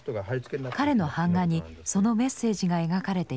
彼の版画にそのメッセージが描かれています。